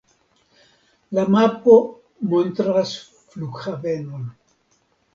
La mapo montras flughavenon.